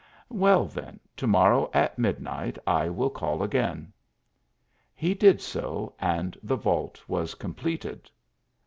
" Well, then, to morrow at midnight I will call again." He did so, and the vault was completed.